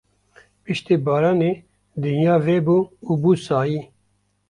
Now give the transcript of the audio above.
Piştî baranê dinya vebû û bû sayî.